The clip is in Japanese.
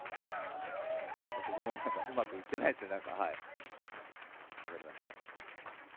ここもうまくいってないですよね。